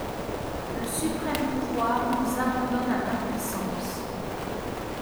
Le suprême pouvoir nous abandonne à l'impuissance.